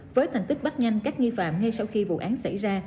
với thành tích bắt nhanh các nghi phạm ngay sau khi vụ án xảy ra